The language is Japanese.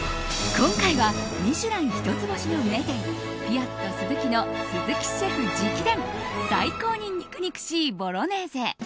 今回は「ミシュラン」一つ星の名店ピアットスズキの鈴木シェフ直伝最高に肉々しいボロネーゼ。